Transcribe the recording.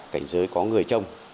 cảnh giới có người trông